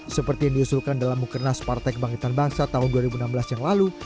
seperti yang diusulkan dalam mukernas partai kebangkitan bangsa tahun dua ribu enam belas yang lalu